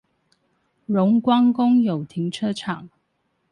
榮光公有停車場